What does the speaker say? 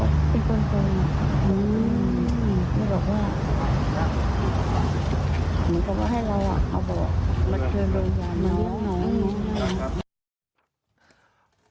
มันก็บอกให้เราอ่ะเอาบอกให้เราอ่ะ